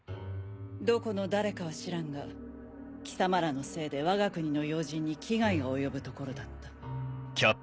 どこの誰かは知らんが貴様らのせいでわが国の要人に危害が及ぶところだった。